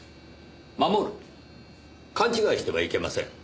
勘違いしてはいけません。